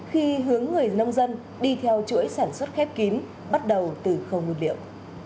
khi hướng người nông dân đi theo chuỗi sản xuất khép kín bắt đầu từ khâu nguyên liệu